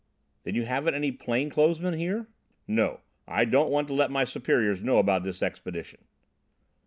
"Then you haven't any plain clothes men here?" "No. I don't want to let my superiors know about this expedition."